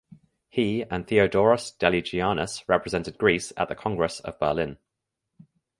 He and Theodoros Deligiannis represented Greece at the Congress of Berlin.